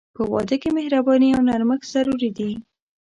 په واده کې مهرباني او نرمښت ضروري دي.